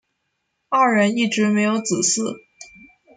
二人一直没有子嗣。